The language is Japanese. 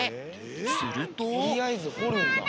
すると？